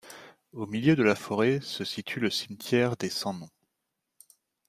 Au milieu de la forêt se situe le cimetière des sans nom.